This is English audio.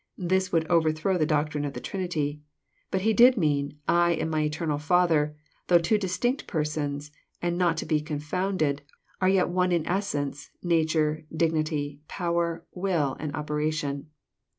This would over throw the doctrine of the Trinity. But He did mean, " I and my eternal Father, though two distinct Persons, and not to be confounded, are yet one in essence, nature, dignity, power, will, and operation.